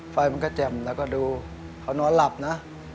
ไฟมันก็แจ่มแล้วก็ดูเขานอนหลับนะ